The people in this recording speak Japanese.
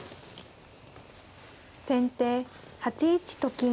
先手８一と金。